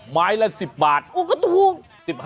ไม้ละ๑๐บาทโอ้ยก็ทูมโอ้ย